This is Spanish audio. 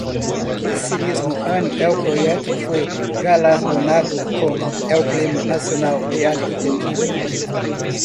Ese mismo año, el proyecto fue galardonado con el Premio Nacional de Arquitectura.